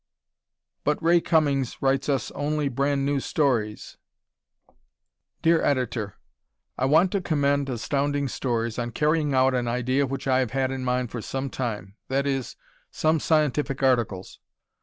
But Ray Cummings Writes Us Only Brand New Stories! Dear Editor: I want to commend Astounding Stories on carrying out an idea which I have had in mind for some time; that is, some scientific articles.